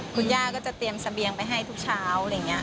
คุณย่าก็จะเตรียมเสบียงไปให้ทุกเช้าอะไรอย่างนี้